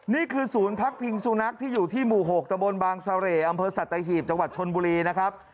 นี่คือศูนย์พักพิงสุนัขที่อยู่ที่หมู่๖ตะบนบางเสร่อำเภอสัตหีบจังหวัดชนบุรีนะครับ